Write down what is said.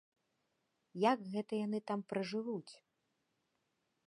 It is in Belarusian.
Як гэта яны там пражывуць?